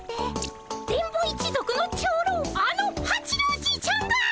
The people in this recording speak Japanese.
電ボ一族の長老あの八郎じいちゃんが？